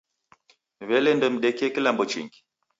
W'ele ndemdekie kilambo chingi?